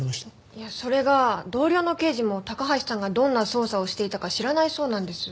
いやそれが同僚の刑事も高橋さんがどんな捜査をしていたか知らないそうなんです。